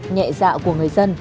nhẹ dạ của người dân